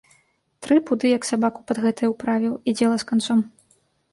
Тры пуды як сабаку пад гэтае ўправіў, і дзела з канцом.